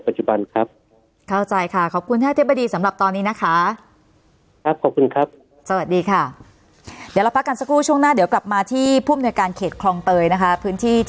ผื่นที่ที่เกิดข่าวนี้ขึ้นใช่ไหมครับ